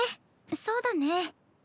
そうだね。